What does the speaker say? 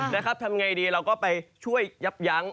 ทำยังไงดีเราก็ไปช่วยยับยั้ง